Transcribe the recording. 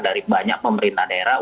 dari banyak pemerintah daerah